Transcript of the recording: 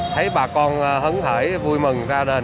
thấy bà con hấn hởi vui mừng ra đền